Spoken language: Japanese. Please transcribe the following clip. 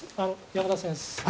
山田先生？